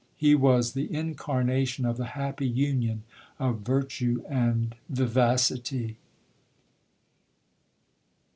'" He was the incarnation of the happy union of virtue and vivacity.